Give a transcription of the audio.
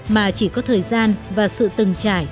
mà chỉ có thời gian và sự từng trải